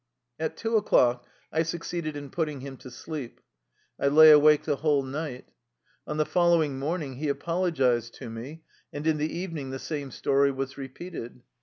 At two o'clock I succeeded in putting him to sleep. I lay awake the whole night. On the following morning he apologized to me, and in the evening the same story was repeated.